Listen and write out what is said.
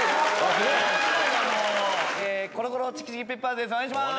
コロコロチキチキペッパーズです